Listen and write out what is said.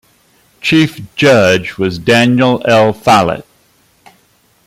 Chief Judge was Daniel L. Follett.